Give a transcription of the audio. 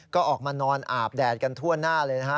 ก็ออกมานอนอาบแดดกันทั่วหน้าเลยนะฮะ